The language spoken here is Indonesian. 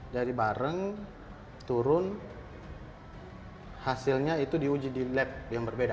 dari bareng turun hasilnya itu diuji di lab yang berbeda